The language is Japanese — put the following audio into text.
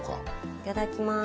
いただきます。